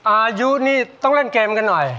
อายุนี่ต้องเล่นเกมกันหน่อย